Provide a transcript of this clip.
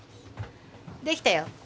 できたよ。